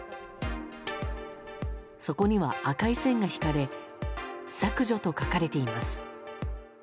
そこには、赤い線が引かれ「削除」と書かれています。